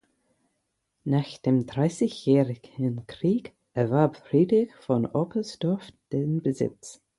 Nach dem Dreißigjährigen Krieg erwarb Friedrich von Oppersdorff den Besitz.